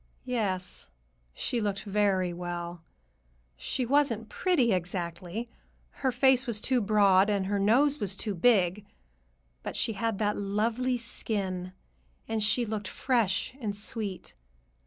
Yes, she looked very well. She wasn't pretty, exactly,—her face was too broad and her nose was too big. But she had that lovely skin, and she looked fresh and sweet.